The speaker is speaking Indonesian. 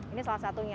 ini salah satunya